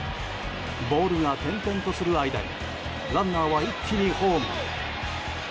ボールが転々とする間にランナーは一気にホームへ。